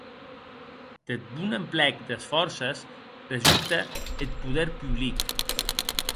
Deth bon emplèc des fòrces resulte eth poder public.